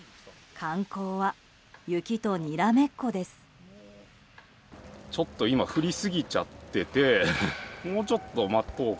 観光は雪とにらめっこです。